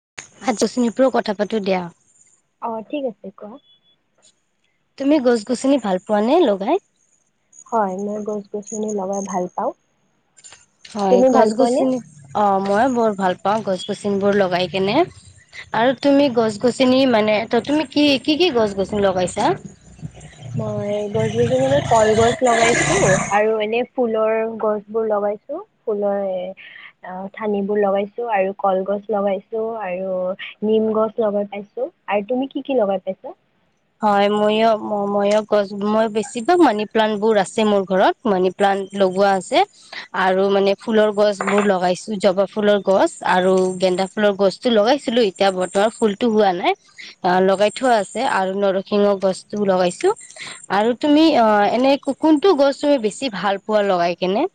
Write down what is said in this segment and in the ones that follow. [unintelligible] পৰাও কথা পাতোঁ দিয়া অ ঠিক আছে কোৱা তুমি গছ গছনি ভাল পোৱা নে লগাই হয় মই গছ গছনি লগাই ভাল পাওঁ হয় তুমি ভাল গছ পোৱা নে? গছনি অ মই বৰ ভাল পা অ গছ গছনিবোৰ লগাই কেনে আৰু তুমি গছ গছনি মানে ত তুমি কি কি কি গছ গছনি লগাইছা মই গছ গছনি মই কলগছ লগাইছো আৰু এনে ফুলৰ গছ বোৰ লগাইছো ফুলৰ এ ঠানিবোৰ লগাইছো আৰু কলগছ লগাইছো আৰু নিম গছ লগাই পাইছো আৰু তুমি কি কি লগাই পাইছা হয় মইও মইও গছ মই বেছিভাগ মানি প্লান্ট বোৰ আছে মোৰ ঘৰত মানি প্লান্ট লগোৱা আছে আৰু মানে ফুলৰ গছ বোৰ লগাইছো জবা ফুলৰ গছ আৰু গেন্দা ফুলৰ গছতো লগাইছিলো এতিয়া বৰ্তমান ফুলটো হোৱা নাই লগাই থোৱা আছে আৰু নৰসিংহ গছটো লগাইছো আৰু তুমি অ এনেই কোনটো গছ তুমি বেছি ভাল পোৱা লগাই কেনে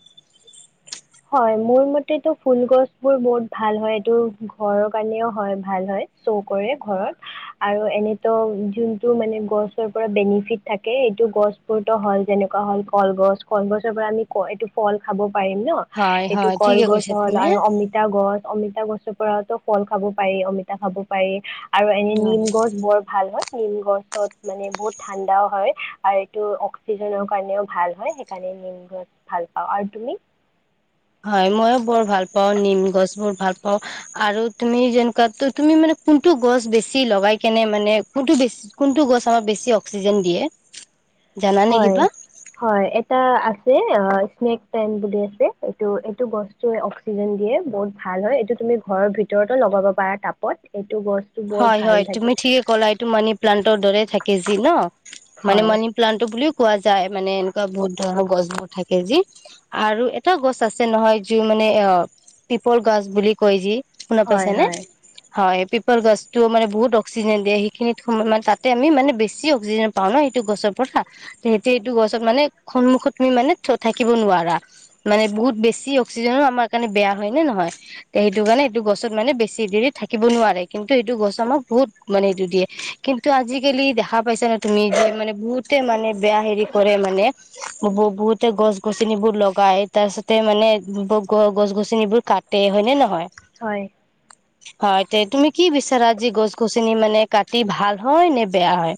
হয় মোৰ মতেটো ফুল গছ বোৰ বহুত ভাল হয় এইটো ঘৰৰ কাৰণেও হয় ভাল হয় চ কৰে ঘৰত আৰু এনেতো যোনটো মানে গছৰ পৰা বেনিফিট থাকে এইটো গছ বোৰতো হল যেনেকুৱা হল কলগছ কলগছৰ পৰা আমি এইটো ফল খাব পাৰিম হয় এইটো হয় ঠিকে কলগছ কৈছা হল তুমি আৰু অমিতা গছ অমিতা গছৰ পৰাতো কল খাব পাৰি অমিতা খাব পাৰি আৰু এনে নিম হয় গছ বৰ ভাল হয় নিম গছত মানে বহুত ঠাণ্ডাও হয় আৰু এইটো অক্সিজেনৰ কাৰণেও ভাল হয় সেইকাৰণে নিম গছ ভাল পাওঁ আৰু তুমি হয় মইও বৰ ভাল পাও নিম গছ বোৰ ভাল অ আৰু তুমি যেনে তুমি মানে কোনটো গছ বেছি লগাই কেনে মানে কোনটো বেছি কোনটো গছ আমাৰ বেছি অক্সিজেন দিয়ে জানানে হয় কিবা? হয় এটা আছে স্নেক প্লেণ্ট বুলি আছে এইটো এইটো গছটোৱে অক্সিজেন দিয়ে বহুত ভাল হয় এইটো তুমি ঘৰৰ ভিতৰতো লগাব পাৰা টাপত হয় হয় তুমি ঠিকে ক'লা এইটো মানি প্লানট দৰে থাকে যি ন মানে হয় মানি প্লাণ্টটো বুলিও কোৱা যায় মানে এনেকুৱা বহুত ধৰণৰ গছ বোৰ থাকে যি আৰু এটা গছ আছে নহয় যি মানে অ পিপল গছ বুলি কয় যি শুনা হয় পাইছা নে হয় হয় পিপল গছতো মানে বহুত অক্সিজেন দিয়ে সেইখিনিত সম মানে তাতে আমি মানে বেছি অক্সিজেনা পাও ন সিটো গছৰ পৰা তে সেইটো এইটো গছত মানে সন্মুখত তুমি মানে থাকিব নোৱাৰা মানে বহুত বেছি অক্সিজেনো আমাৰ কাৰণে বেয়া হয় নে নহয় সেইটো কাৰণে এইটো গছত মানে বেছি দেৰি থাকিব নোৱাৰে কিন্তু ইটো গছ আমাক বহুত মানে এইটো দিয়ে কিন্তু আজিকালি দেখা পাইছা ন তুমি যে মানে বহুতে মানে বেয়া হেৰি কৰে মানে বহুতে গছ গছনিবোৰ লগাই তাৰপিছতে মানে গ গছ গছনিবোৰ কাটে হয়নে নহয় হয় হয় তে তুমি কি বিচাৰা যি গছ গছনি মানে কাটি ভাল হয় নে বেয়া হয়?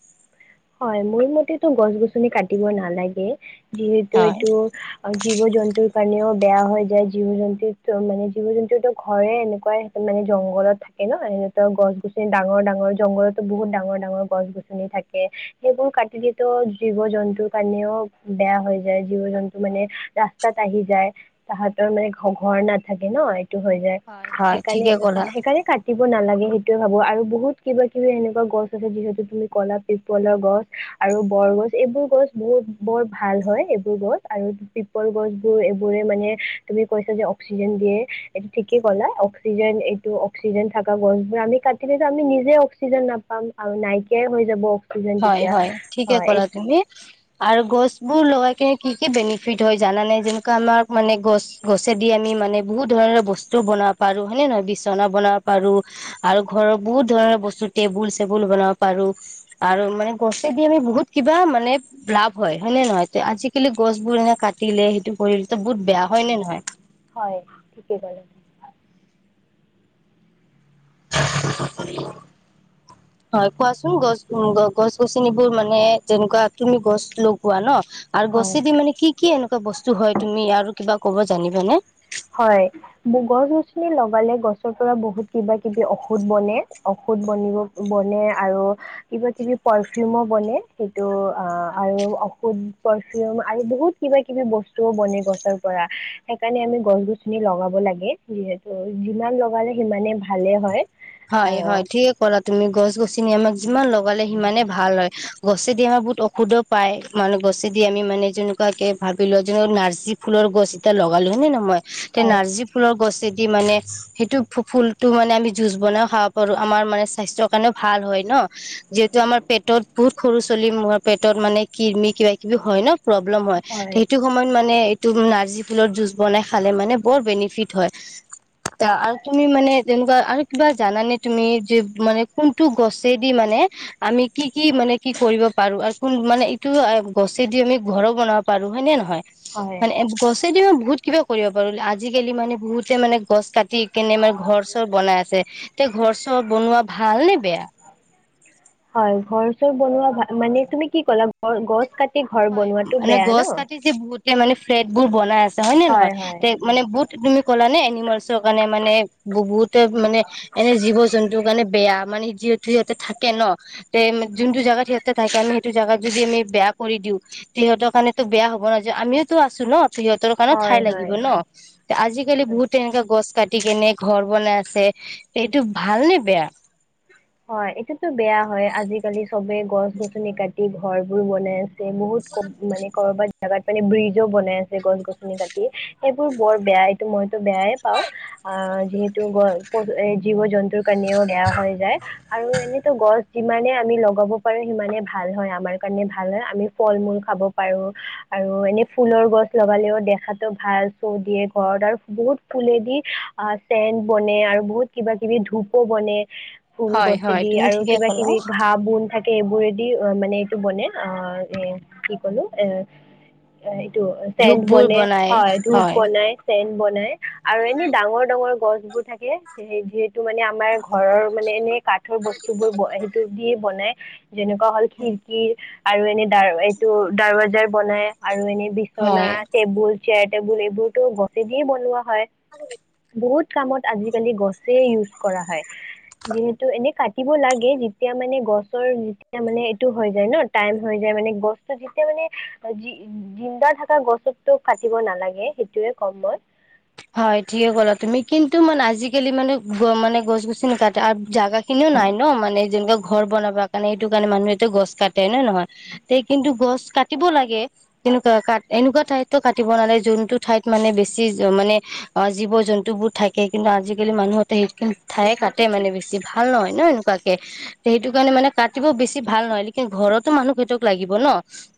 হয় মোৰ মতে টো গছ গছনি কাটিব নালাগে। যিহেতু হয় এইটো জীৱ জন্তুৰ কাৰণেও বেয়া হৈ যায় জীৱ জন্তু মানে জীৱ জন্তুৰ ঘৰে এনেকুৱাই হয় জংঘলত থাকে ন সিহঁতৰ গছনি ডাঙৰ ডাঙৰ জংঘলতো বহুত ডাঙৰ ডাঙৰ গছ গছনি থাকে সেইবোৰ কাটি দি টু জীৱ জন্তুৰ কাৰণেও বেয়া হৈ যায় জীৱ জন্তু মানে ৰাস্তাত আহি যায় তাহঁতৰ মানে ঘৰ নাথাকে ন হৈ যায় হয় সেইকাৰণে ঠিকে ক'লা সেইকাৰণে কাটি নালাগে সেইটোয়ে ভাবো আৰু বহুত কিবা কিবি এনেকুৱা গছ আছে যিহেতু তুমি কলা পিপলৰ গছ আৰু বৰগছ এইবোৰ গছ বহুত বৰ ভাল হয়। এইবোৰ গছ আৰু পিপল গছ, বোৰ এইবোৰে মানে তুমি কৈছা যে অক্সিজেন দিয়ে। এইটো ঠিকেই ক'লা অক্সিজেন এইটো অক্সিজেন থকা গছ বোৰ আমি কাটিলে আমি নিজে অক্সিজেন নাপাম আৰু নাইকিয়াই হৈ যাব। অক্সিজেন হয় তেতিয়া হয় ঠিকে হয় এই ক'লা তুমি আৰু গছবোৰ লগাই কিনে কি কি বেনিফিট হয় জানা নাই যেনেকুৱা আমাক মানে গছ গছেদি আমি মানে বহুত ধৰণৰ বস্তু বনাব পাৰো হয়েনে নহয় বিছনা বনাব, পাৰো আৰু ঘৰৰ বহুত ধৰণৰ বস্তু টেবুল, চেবুল বনাব পাৰো। আৰু মানে গছেদি আমি বহুত কিবা মানে লাভ হয় নে নহয়, আজিকালি গছবোৰ এনে কাটিলে সেইটো কৰিলে বহুত বেয়া হয় নে নহয়। হয় ঠিকেই কলে। হয় কোৱাচোন গছ গছনিবোৰ মানে যেনেকুৱা তুমি গছ লগোৱা ন'? আৰু হয় গছে দি মানে কি কি এনেকুৱা বস্তু হয় তুমি আৰু কিবা ক'ব জানিব নে? হয় গছ গছনি লগালে গছৰ পৰা বহুত কিবা কিবি ঔষধ বনে ঔষধ বনিব বনে আৰু কিবা কিবি পাৰফিউমো বনে সেইটো অ আৰু ঔষধ পাৰফিউম আৰু বহুত কিবা কিবি বস্তুও বনে গছৰ পৰা সেইকাৰণে আমি গছ গছনি লগাব লাগে যিহেতু যিমান লগালে সিমানে ভালে হয়। হয় আৰু হয় ঠিকে কলা তুমি গছ গছনি আমাক যিমান লগালে সিমানে ভাল হয় গছ। তেতিয়া বহুত ঔষধো পায় মানুহ গছেদি আমি মানে যেনেকুৱাকে ভাবিলোৱা যেনে নাৰ্জী ফুলৰ গছ এতিয়া লগালো হয়ে নে নহয়। তে হয় নাৰ্জী ফুলৰ গছে এ যদি মানে সেইটো ফুল টো মানে আমি যুজ বনাইও খাব পাৰো আমাৰ মানে স্বাস্থ্যৰ কাৰণেও ভাল হয় ন। যিহেতু আমাৰ পেটত বহুত সৰু চলিৰ পেটত মানে কিৰমি কিব কিবি হয় ন' প্ৰব্লেম হয় সেইটো সময়ত মানে তুমি নাৰ্জী ফুলৰ জুচ বনাই খালে মানে বৰ বেনিফিট হয় আৰু তুমি মানে তেনেকুৱা আৰু কিবা জানানে তুমি যে মানে কোনটো গছেদি মানে আমি কি কি মানে কি কৰিব পাৰো আৰু কোন মানে ইটো গছেদি আমি ঘৰ বনাব পাৰো হয়ে নে নহয়। হয় মানে এইবোৰ গ যদি মই বহুত কিবা কৰিব পাৰো আজিকালি মানে বহুতে মানে গছ কাটি দি কিনে মানে ঘৰ চৰ বনাই আছে। তে ঘৰ চৰ বনোৱা ভাল নে বেয়া? হয় ঘৰ চৰ বনোৱা মানে তুমি কি ক'লা গছ কাটি এ ঘৰ বনোৱাটো বেয়া ন। তাতে মানে ফ্লেট বোৰ বনাই আছে। হয় নে নহয় তে মানে বহুত তুমি ক'লা নে এনিমেলছৰ কাৰণে মানে বহুতে মানে এনে জীৱ জন্ত টো কাৰণে বেয়া মানে যিহেতু সিহঁতে থাকে ন তে যোনটো জেগাত সিহতে থাকে আমি সেইটো জেগাত যদি আমি বেয়া কৰি দিও সিহঁতৰ কাৰণেতো বেয়া হ'ব ন' যে আমিও তো আছো ন' সিহঁতৰ কাৰণে ঠাই হয় লাগিব হয় ন আজিকালি হয় বহুত তেনেকা গছ কাটি ইপিনে ঘৰ বনাই আছে এইটো ভাল নে বেয়া? হয়, এইটো বেয়া হয়েই আজিকালি সবে গছ গছনি কাটি ঘৰ বোৰ বনাই আছে। বহুত কব মানে কৰবাত। জাগাত মানে ব্ৰিজো বনাই আছে গছ গছনি কাটি এইবোৰ বৰ বেয়া। এইটো মইতো বেয়াই পাওঁ অহ'যিহেতু জীৱ-জন্তুৰ কনেও বেয়া হৈ যায়। আৰু এনেতো গছ যিমানে আমি লগাব পাৰো সিমানে ভাল হয় আমাৰ কাৰণে ভাল হয়, আমি ফল মূল খাব পাৰো আৰু এনে ফুলৰ গছ লগালেও দেখাতো ভাল শ্ব' দিয়ে ঘৰত আৰু বহুত ফুলেদি অহ চেণ্ট বনে আৰু বহুত কিবা-কিবি ধূপো বনে ফুল হয় হয় গছেদি তুমি আৰু ঠিকে ক'লা কিবা-কিবি ঘাঁ বন থাকে এইবোৰে দি মানে এইটো বনে অ' এ' কি কলো এ' চেণ্ট ধূপবোৰ বনে বনাই হয় ধূপ বনাই চেণ্ট বনাই আৰু এনেই ডাঙৰ-ডাঙৰ গছবোৰ থাকিলে যিহেতু মানে আমাৰ ঘৰৰ মানে এনেই কাঠৰ বস্তুবোৰ ব- সেইটো দিয়ে বনায় যেনেকুৱা হ'ল খিৰকী, আৰু এনে দাৰ এইটো দাৰৱাজাৰত বনাই, আৰু এনে বিচনা, হয় টেবুল, চেয়াৰ, টেবুল এইবোৰতো গছে দিয়ে বনোৱা হয়। [unintelligible] বহুত কামত আজিকালি গছে ইউজ কৰা হয়। যিহেতু এনে কাটিব লাগে, যেতিয়া মানে গছৰ যেতিয়া মানে এইটো হৈ যায় ন টাইম হৈ যায় মানে গছতো যেতিয়া মানে জিন্দাৰ থকা গছতো কাটিব নালাগে, সেইটোয়ে কম মই। হয় ঠিকে ক'লা তুমি। কিন্তু মানে আজিকালি মানে-মানে গছ গছি কাটা আৰু জাগা খিনিও নাই ন মানে জংগল। ঘৰ বনাব কাৰণে এইটো কাৰণে মানুহেতটো গছ কাটে নহয় কিন্তু গছ কাটিব লাগে কেনেকুৱা এনেকুৱা ঠাইতটো কাটিব নালাগে যোনটো ঠাইত মানে বেছি মানে অ' জীৱ-জন্তু বোৰ থাকে, কিন্তু আজিকালি মানুহতে সেইে ঠায়ে কাটে মানে বেছি ভাল নহয় ন এনেকুৱাকে, সেইটো কাৰণে মানে কাটিব বেছি ভাল নহয় লেকিন ঘৰতো মানুহ সিহ'তক লাগিব ন।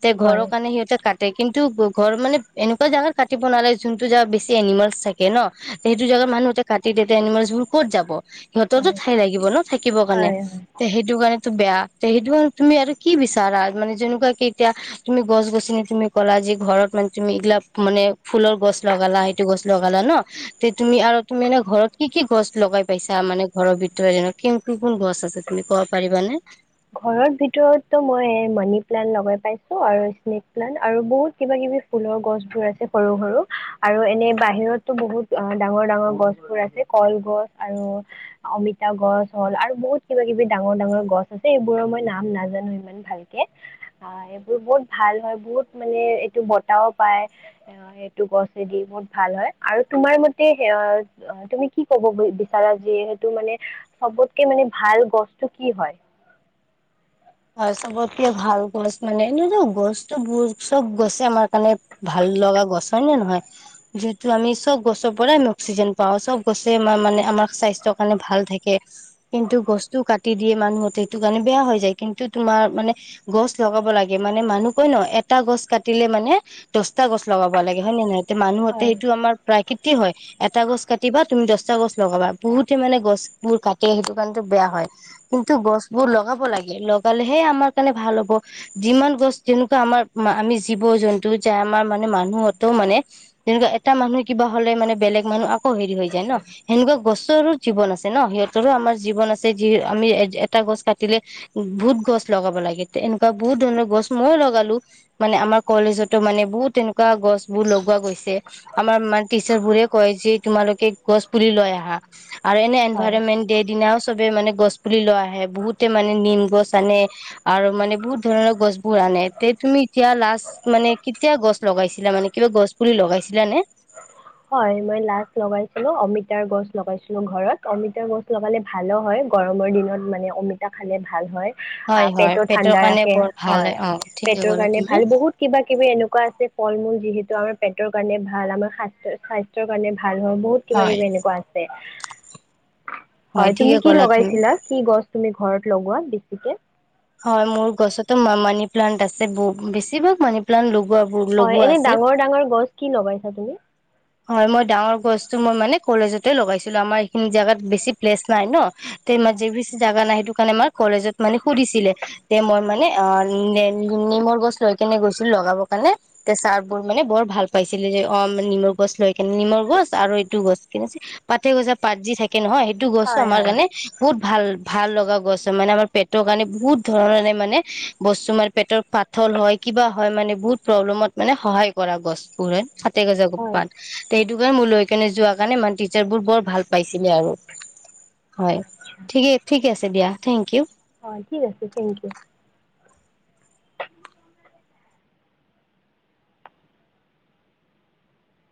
তে ঘৰৰ হয় কাৰণে সিহঁতে কাট তে কিন্তু ঘৰ মানে এনেকুৱা জাগাত কাটিব নালাগে যোনটো জাগাত বেছি এনিমেল চাগে ন, সেইটো জোগাত মানুহতে কাটি দে এনিমেলছ বোৰ ক'ত যাব। সিহঁততো হয় ঠাই লাগিব ন থাকিবৰ কাৰণে, হয় হয় তে সেইটো কাৰণে। বেয়া সেইটো তুমি আৰু কি বিচাৰা, মানে যেনেকুৱাকে এতিয়া তুমি গছ-গছনি তুমি ক'লা যে ঘৰত মানে তুমি এইগিলাক মানে ফুলৰ গছ লগালা, সেইটো গছ লগালা ন, তে তুমি আৰু তুমি এ ঘৰত কি-কি গছ লগাই পাইছা? মানে ঘৰৰ ভিতৰ কি কোন কোন গছ আছে তুমি ক'ব পাৰিবানে? ঘৰৰ ভিতৰতটো মই মানি প্লানট লগাই পাইছো আৰু স্নেক প্লানট আৰু বহুত কিবা কিবি ফুলৰ গছবোৰ আছে সৰু-সৰু আৰু এনে বাহিৰতো বহুত ডাঙৰ-ডাঙৰ গছবোৰ আছে কলগছ আৰু অমিতা গছ হ'ল আৰু বহুত কিবা কিবি ডাঙৰ-ডাঙৰ গছ এইবোৰৰ মই নাম নাজানো ইমান ভালকে অ এইবোৰ বহুত ভাল হয় বহুত মানে এইটো বতাহও পায় এ সেইটো গছেদি বহুত ভাল হয় আৰু তোমাৰ মতে স তুমি কি কব বিচাৰা যে সেইটো মানে চবতকে মানে ভাল গছতটো কি হয়? হয় চবতকে ভাল গছ মানে এ গছতো ব চব গছে আমাৰ কাৰণে ভাল লগা গছ হয় নে নহয় যিহেতু আমি চব গছৰ পৰাই আমি অক্সিজেন পাওঁ চব গছে আমাৰ মানে আমাৰ স্বাস্থৰ কাৰণে ভাল থাকে। কিন্তু গছটো কাটি দিয় মানুহতে সটো কাৰণেয়া হৈ যায়। কিন্তু তুমাৰ মানে গছ লগাব লাগে মানে মানুহ কয় ন এটা গছ কাটিলে মানে দচটা গছ লগাব লাগে হয় নে নহয়। মানুহতে হয় সেইটো আমাৰ প্ৰাকৃতি হয়, এটা গছ কাটিবা তুমি দহ চচা গছ লগাবা বহুতে মানে গছ বোৰ কাটে সেইটো কাৰণটো বেয়া হয় কিন্তু গছ বোৰ লগাব লাগে। লগালেহে আমাৰ কাৰণে ভাল হ'ব, যিমান গছ যেনেকুৱা আমাৰ আমি জীৱ জন্তু যাই আমাৰ মানে মানুহতও মানে যেনেকুৱা এটা মানুহ কিবা হলে মানে বেলেগ মানুহ আকৌ হেৰি হৈ যায় ন সেনেকুৱা গছৰো জীৱন আছে ন সিহঁতৰো আমাৰ জীৱন আছে যি আমি এটা গছ কাটিলে বহুত গছ লগাব লাগে, এনেকুৱা বহুত ধৰণৰ গছ মইয়ো লগালো মানে আমাৰ কলেজতো মানে বহুত এনেকুৱা গছ বোৰ লগোৱা গৈছে, আমাৰ মানে টিচাৰ বোৰে কয় যে তোমালোকে গছ পুলি লৈ আহা, আৰু এনে হয়, এনভাইৰনমেন্ট ডে দিনা চবে মানে গছ পুলি লোৱা আহে বহুতে মানে নিম গছ আনে আৰু মানে বহুত ধৰণৰ গছ বোৰ আনে তে তুমি এতিয়া লাষ্ট মানে কেতিয়া গছ লগাইছিলা মানে কিবা গছ পুলি লগাইছিলা নে হয় মই লষ্ট লগাইছিলো অমিতাৰ গছ লগাইছিলো ঘৰত অমিতাৰ গছ লগালে ভালো হয় গৰমৰ দিনত মানে অমিতা খালে ভাল হয় আ হয় হয় পেটৰ ঠাণ্ডা কাৰণে ৰাখে বৰ ভাল হয় অ ঠিকে পেটৰ ক'লা কাৰণে ভাল তুমি বহুত কিবা কিবি এনেকুৱা আছে ফল মূল যিহেতু ত আমাৰ পেটৰ কাৰণে ভাল আমাৰ স্বাস্থ্য স্বাস্থ্যৰ কাৰণে ভাল হয়ৰ বহুত কিবা হয় কিবি এনেকুৱা আছে হয় তুমি ঠিকে কি ক'লা তুমি লগাইছিলা কি গছ তুমি ঘৰত লগোৱাত বেছিকে হয় মোৰ গছতো মানি প্লানট আছে বহু বেছিভাগ মানি প্লান্ত ল হয় এনে ডাঙৰ ডাঙৰ গছ কি লগবাইছা তুমি হয় মই ডাঙৰ গছটো মই মানে কলেজতে লগাইছিলো আমাৰ এইখিনি জোগাত বেছি প্লেছ নাই ন তে মাজে আচ্ছা বিিি জাগা ন ত কাৰণে আমাৰ কলেজত মানে সুধিছিলে তে মই মানে অ নিমৰ গছ লৈ কেনে গৈছিলো লগাব কাৰণে তে ছাৰ বোৰ মানে বৰ ভাল পাইছিলে যে অ নিম গছ লৈ কেনে নিমৰ গছ আৰু এইটো গছ কিনে পাতে গছা পাত যি থাক তাকে নহয় সেইটো গছো হয় আমাৰ হয় কাৰণে বহুত ভাল ভাল লগা গছ হয় মানে আমাৰ পেটৰ কাৰণে বহুত ধৰণে মানে বস্তু মানে পেটৰ পাথল হয় কিবা হয় মানে বহুত প্ৰব্লেমত মানে সহায় কৰা গছবোৰ হয়াতে গছ হয় পান তে দুগাৰ মোৰলৈ কেনে যোৱা কাৰণে মানে টিচাৰ বোৰ বৰ ভাল পাইছিলে আৰু হয় ঠিক ঠিকে আছে দিয়া থেংক ইউ অ' ঠিক আছে থেংক ইউ।